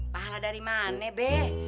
pahala dari mana be